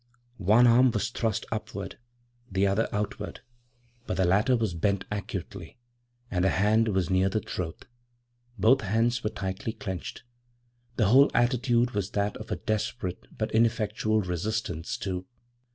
One arm was thrust upward, the other outward; but the latter was bent acutely, and the hand was near the throat. Both hands were tightly clenched. The whole attitude was that of desperate but ineffectual resistance to what?